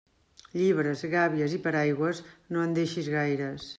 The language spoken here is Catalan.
Llibres, gàbies i paraigües, no en deixis gaires.